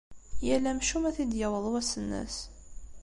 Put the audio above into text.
Yal amcum ad t-id-yaweḍ wass-nnes.